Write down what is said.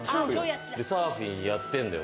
サーフィンやってんだよ。